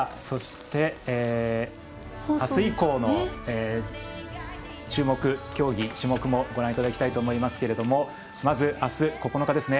そして、あす以降の注目競技種目もご覧いただきたいと思いますがまず、あすの９日。